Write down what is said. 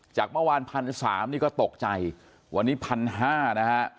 จากเมื่อวาน๑๓๐๐นี่ก็ตกใจวันนี้๑๕๐๐นะฮะ